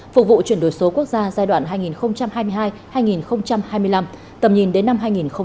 phục vụ chuyển đổi số quốc gia giai đoạn hai nghìn hai mươi hai hai nghìn hai mươi năm tầm nhìn đến năm hai nghìn ba mươi